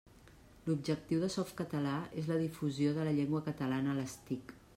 L'objectiu de Softcatalà és la difusió de la llengua catalana a les TIC.